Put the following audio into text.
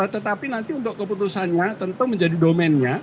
tetapi nanti untuk keputusannya tentu menjadi domennya